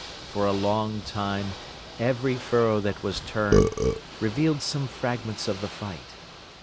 For a long time, every furrow that was turned, revealed some fragments of the fight.